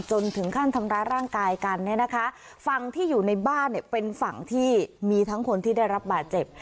จนถึงขั้นทำร้ายร่างกายกันเนี่ยนะคะฝั่งที่อยู่ในบ้านเนี่ยเป็นฝั่งที่มีทั้งคนที่ได้รับบาดเจ็บ